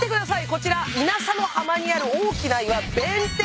こちら稲佐の浜にある大きな岩。